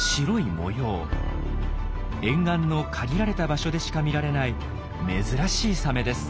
沿岸の限られた場所でしか見られない珍しいサメです。